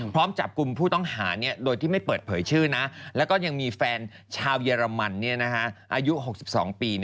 พร้อมจับกลุ่มผู้ต้องหาโดยที่ไม่เปิดเผยชื่อนะแล้วก็ยังมีแฟนชาวเยอรมันอายุ๖๒ปี